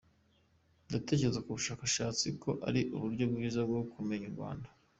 Ndatekereza ku bashakashatsi ko ari uburyo bwiza bwo kumenya u Rwanda.